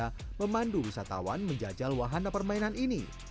untuk pemandu wisatawan menjajal wahana permainan ini